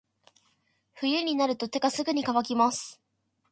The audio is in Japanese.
冬になると手がすぐに乾きます。